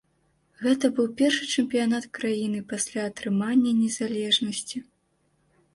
Гэта быў першы чэмпіянат краіны пасля атрымання незалежнасці.